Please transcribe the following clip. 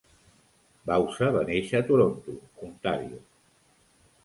Bauza va néixer a Toronto, Ontario.